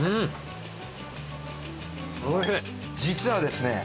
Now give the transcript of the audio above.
実はですね